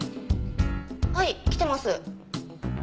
はい来てます。